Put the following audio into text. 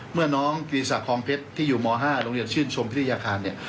เมื่อน้องกิติศักดิคลองเพชรที่อยู่ม๕โรงเรียนชื่นชมพิทยาคารเนี่ย